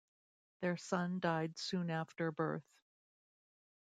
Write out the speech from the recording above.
Their son died soon after birth.